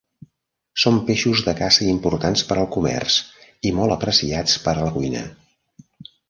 Són peixos de caça importants per al comerç i molt apreciats per a la cuina.